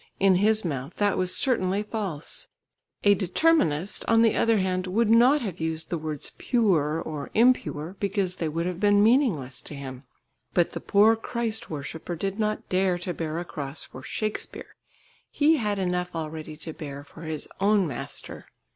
In his mouth that was certainly false. A determinist, on the other hand, would not have used the words "pure" or "impure" because they would have been meaningless to him. But the poor Christ worshipper did not dare to bear a cross for Shakespeare; he had enough already to bear for his own Master.